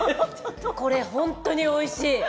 これ本当においしい。